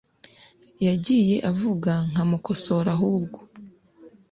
yagiye avuga nkamukosora Ahubwo